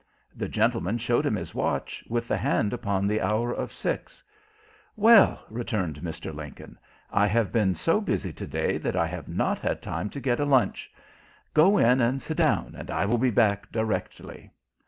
The gentleman showed him his watch, with the hand upon the hour of six. "Well," returned Mr. Lincoln, "I have been so busy to day that I have not had time to get a lunch. Go in, and sit down; I will be back directly."